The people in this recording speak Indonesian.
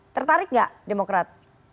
tertarik tidak demokrat